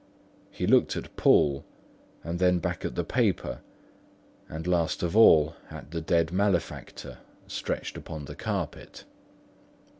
He looked at Poole, and then back at the paper, and last of all at the dead malefactor stretched upon the carpet.